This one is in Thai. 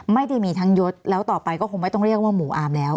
ไม่ได้มีทั้งยศแล้วต่อไปก็คงไม่ต้องเรียกว่าหมู่อามแล้ว